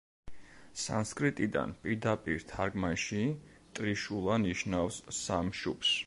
სანსკრიტიდან პირდაპირ თარგმანში ტრიშულა ნიშნავს „სამ შუბს“.